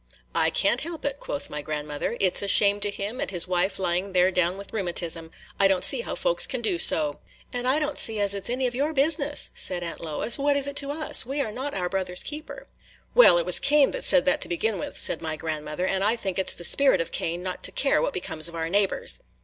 "I can't help it," quoth my grandmother; "it 's a shame to him, and his wife lying there down with rheumatism. I don't see how folks can do so." "And I don't see as it 's any of our business," said Aunt Lois "What is it to us? We are not our brother's keeper." "Well, it was Cain that said that to begin with," said my grandmother; "and I think it 's the spirit of Cain not to care what becomes of our neighbors!"